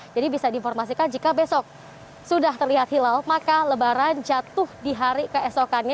bisa diinformasikan jika besok sudah terlihat hilal maka lebaran jatuh di hari keesokannya